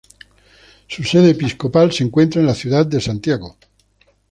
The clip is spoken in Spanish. Su sede episcopal se encuentra en la ciudad de Santiago.